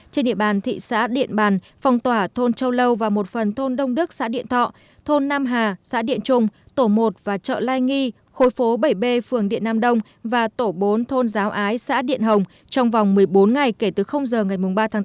trên địa bàn thị xã điện bàn phong tỏa thôn châu lâu và một phần thôn đông đức xã điện thọ thôn nam hà xã điện trung tổ một và chợ lai nghi khối phố bảy b phường điện nam đông và tổ bốn thôn giáo ái xã điện hồng trong vòng một mươi bốn ngày kể từ giờ ngày ba tháng tám